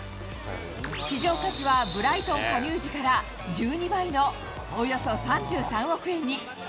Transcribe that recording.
市場価値はブライトン加入時から１２倍のおよそ３３億円に。